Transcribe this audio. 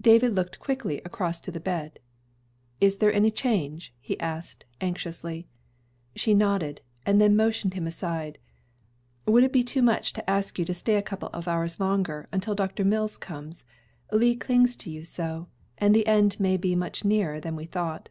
David looked quickly across to the bed. "Is there any change?" he asked, anxiously. She nodded, and then motioned him aside. "Would it be too much to ask you to stay a couple of hours longer, until Dr. Mills comes? Lee clings to you so, and the end may be much nearer than we thought."